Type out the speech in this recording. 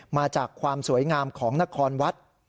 มาจากความสวยงามของนครวัด